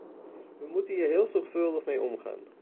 We moeten hier heel zorgvuldig mee omgaan.